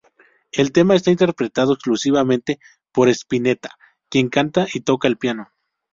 El tema está interpretado exclusivamente por Spinetta, quien canta y toca el piano.